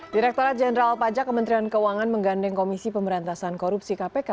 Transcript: direkturat jenderal pajak kementerian keuangan menggandeng komisi pemberantasan korupsi kpk